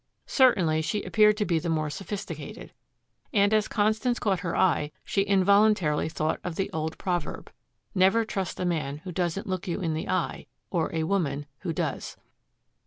Certainly she appeared to be the more sophisticated. And as Constance caught her eye she involuntarily thought of the old proverb, "Never trust a man who doesn't look you in the eye or a woman who does."